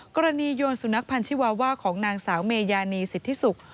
กรณีโยนสุนัขพันธิวาว่าของนางสาวเมยานีสิทธิศุกร์